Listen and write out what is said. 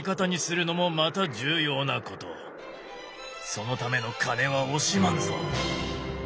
そのための金は惜しまんぞ。